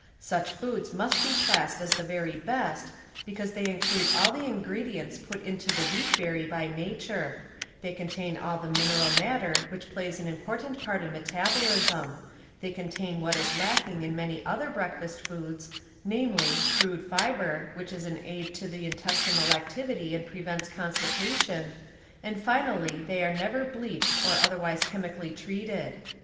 Such foods must be classed as the very best because they include all the ingredients put into the wheat berry by nature; they contain all the mineral matter which plays an important ))art in metabolism ; they con tain what is lacking in many other breakfast foods, namely, crude fiber — which is an aid to intestinal activity and prevents constipation ; and finally they are never bleached or otherwise chemically treated.